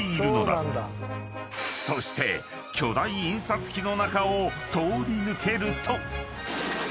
［そして巨大印刷機の中を通り抜けると］